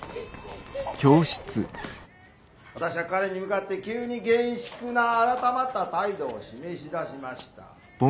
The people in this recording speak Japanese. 「私は彼に向かって急に厳粛な改まった態度を示し出しました。